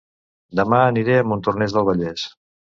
Dema aniré a Montornès del Vallès